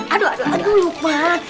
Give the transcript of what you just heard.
aduh aduh aduh luqman